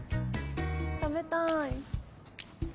食べたい。